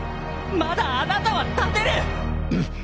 まだあなたは立てんっ！